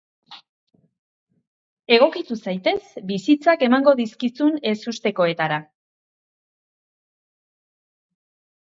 Egokitu zaitez bizitzak emango dizkizun ezustekoetara.